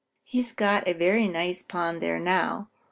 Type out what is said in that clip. He has got a very nice pond there now.